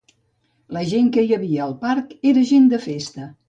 La gent que hi havia al parc era gent de festa.